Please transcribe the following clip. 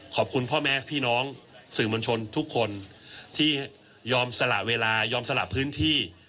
ขอบคุณพ่อแม่พี่น้องสื่อมวลชนทุกคนที่ยอมสละเวลายอมสละพื้นที่